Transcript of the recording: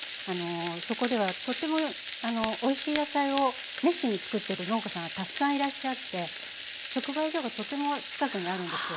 そこではとってもおいしい野菜を熱心に作ってる農家さんがたくさんいらっしゃって直売所がとても近くにあるんですよ。